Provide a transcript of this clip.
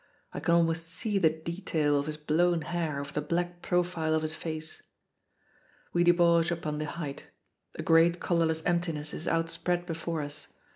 I can almost see the detail of his blown hair over the black profile of his face. We debouch upon the height. A great colorless emptiness is outspread before us.